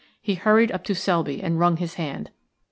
He hurried up to Selby and wrung his hand.